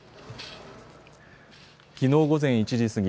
きのう午前１時過ぎ